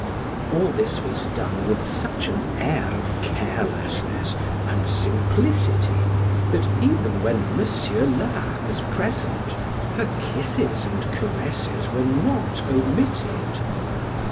All this was done with such an air of carelessness and simplicity, that even when M. de Larnage was present; her kisses and caresses were not omitted.